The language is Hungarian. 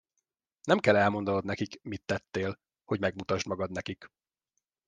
Nem kell elmondanod nekik, mit tettél, hogy megmutasd magad nekik.